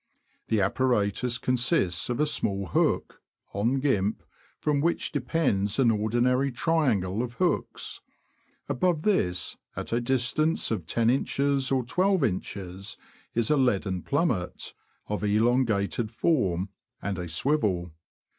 The apparatus con sists of a small hook, on gimp, from which depends an ordinary triangle of hooks; above this, at a distance of loin. or I2in., is a leaden plummet, of elongated form, and a swivel.